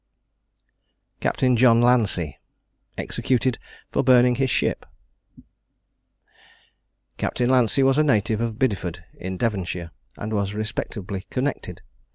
CAPTAIN JOHN LANCEY. EXECUTED FOR BURNING HIS SHIP. Captain Lancey was a native of Biddeford, in Devonshire, and was respectably connected.